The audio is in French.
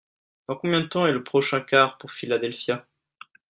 Dans combien de temps est le prochain car pour Philadelphia ?